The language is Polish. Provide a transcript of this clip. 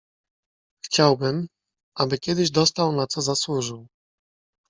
"Chciałbym, aby kiedyś dostał, na co zasłużył."